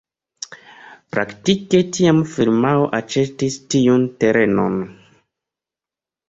Praktike tiam firmao aĉetis tiun terenon.